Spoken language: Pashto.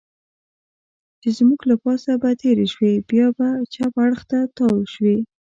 چې زموږ له پاسه به تېرې شوې، بیا به چپ اړخ ته تاو شوې.